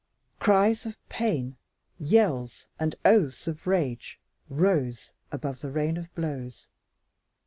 Cries of pain, yells, and oaths of rage rose above the rain of blows.